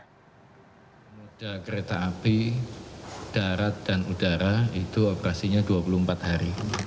pemuda kereta api darat dan udara itu operasinya dua puluh empat hari